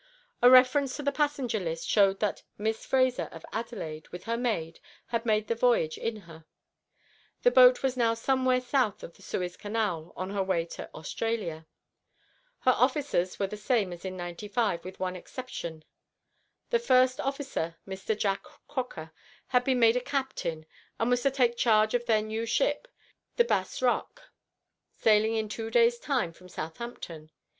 A reference to the passenger list showed that Miss Fraser of Adelaide, with her maid, had made the voyage in her. The boat was now on her way to Australia, somewhere to the south of the Suez Canal. Her officers were the same as in '95, with one exception. The first officer, Mr. Jack Croker, had been made a captain and was to take charge of their new ship, the BASS ROCK, sailing in two days' time from Southampton.